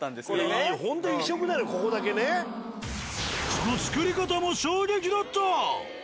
その作り方も衝撃だった！